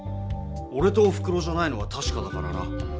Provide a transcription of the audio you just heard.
おれとおふくろじゃないのはたしかだからな。